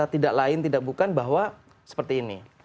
tidak lain tidak bukan bahwa seperti ini